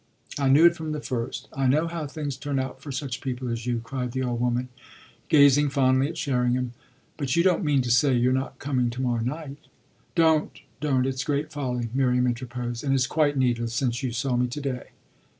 "I knew it from the first I know how things turn out for such people as you!" cried the old woman, gazing fondly at Sherringham. "But you don't mean to say you're not coming to morrow night?" "Don't don't; it's great folly," Miriam interposed; "and it's quite needless, since you saw me to day."